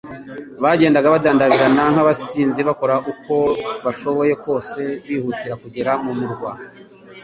Bagendaga badandabirana nk'abasinzi, bakora uko bashoboye kose bihutira kugera mu murwa,